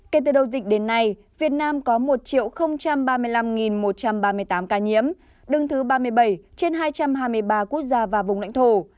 kể từ đầu dịch đến nay việt nam có một ba mươi năm một trăm ba mươi tám ca nhiễm đứng thứ ba mươi bảy trên hai trăm hai mươi ba quốc gia và vùng lãnh thổ